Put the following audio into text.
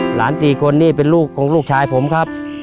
หลานสี่คนนี้เป็นลูกของลูกชายผมครับ